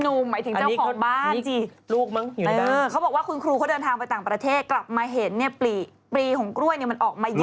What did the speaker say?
ลูกมั้งอยู่ในบ้านเขาบอกว่าคุณครูเขาเดินทางไปต่างประเทศกลับมาเห็นปลีปลีของกล้วยมันออกมาเยอะ